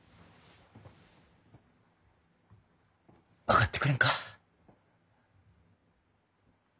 分かってくれんか？